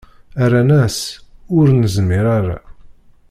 Rran-as: Ur nezmir ara.